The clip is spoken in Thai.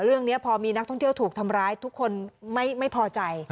เรื่องนี้พอมีนักท่องเที่ยวถูกทำร้ายทุกคนไม่พอใจ